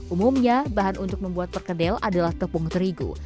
umumnya bahan untuk membuat perkedel adalah tepung terigu